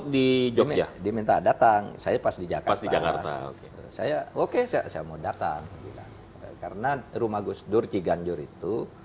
di jomin diminta datang saya pas di jakarta oke saya oke saya mau datang karena rumah gus dur ciganjur itu